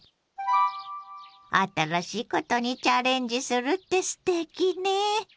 新しいことにチャレンジするってすてきね。